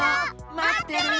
まってるよ！